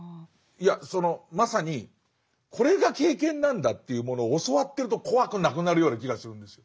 いやそのまさにこれが経験なんだというものを教わってると怖くなくなるような気がするんですよ。